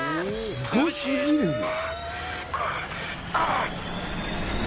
すごすぎるね。